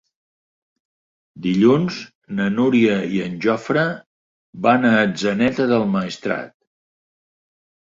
Dilluns na Núria i en Jofre van a Atzeneta del Maestrat.